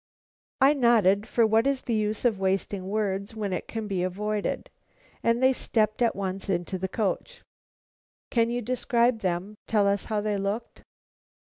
"I nodded, for what is the use of wasting words when it can be avoided; and they stepped at once into the coach." "Can you describe them tell us how they looked?"